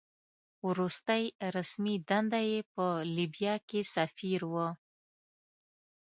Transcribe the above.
وروستۍ رسمي دنده یې په لیبیا کې سفیر وه.